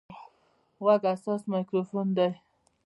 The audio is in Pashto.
غوږ حساس مایکروفون دی.